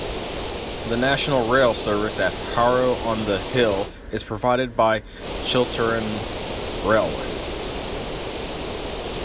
The National Rail service at Harrow-on-the-Hill is provided by Chiltern Railways.